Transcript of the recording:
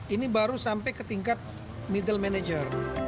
ini baru sampai ke tingkat middle manager